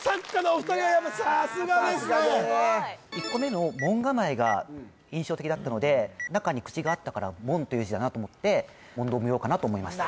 １個目の門構えが印象的だったので中に口があったから「問」という字だなと思って「問答無用」かなと思いました